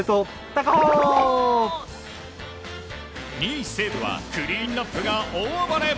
２位、西武はクリーンアップが大暴れ。